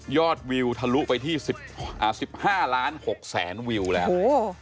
ยอดวิวทะลุไปที่สิบอ่าสิบห้าล้านหกแสนวิวแล้วโอ้โห